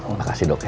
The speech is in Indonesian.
makasih dok ya